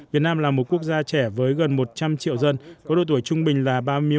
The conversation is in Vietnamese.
việt nam là một quốc gia trẻ với gần một trăm linh triệu dân có độ tuổi trung bình là ba mươi một